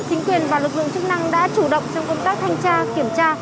chính quyền và lực lượng chức năng đã chủ động trong công tác thanh tra kiểm tra